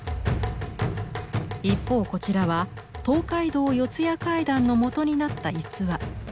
一方こちらは「東海道四谷怪談」のもとになった逸話。